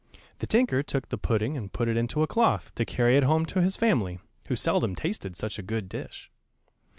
The tinker took the pudding and put it into a cloth, to carry it home to his family, who seldom tasted such a good dish.